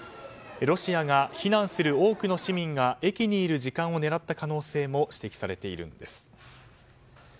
ロシアが、避難する多くの市民が駅にいる時間を狙った可能性も指摘されているんです。